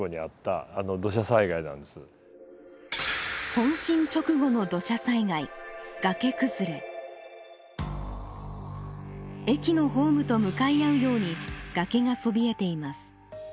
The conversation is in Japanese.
本震直後の土砂災害駅のホームと向かい合うように崖がそびえています。